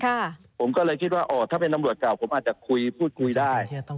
ค่ะผมก็เลยคิดว่าอ๋อถ้าเป็นตำรวจเก่าผมอาจจะคุยพูดคุยได้